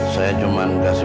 saya akan mencari